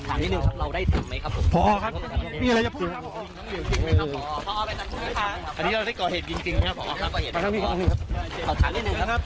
อันนี้เราก็ได้ขอเหตุจริงนะครับพครับขอเหตุต้องหอบสินะครับ